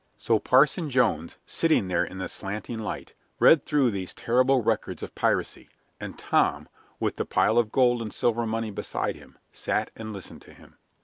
So Parson Jones, sitting there in the slanting light, read through these terrible records of piracy, and Tom, with the pile of gold and silver money beside him, sat and listened to him.